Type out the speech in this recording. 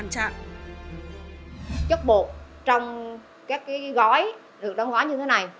chất bột trong các gói được đoán gói như thế này